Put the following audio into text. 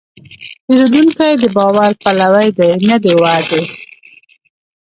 پیرودونکی د باور پلوي دی، نه د وعدې.